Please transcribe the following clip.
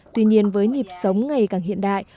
tuy nhiên với nhịp sống ngày càng hiện đại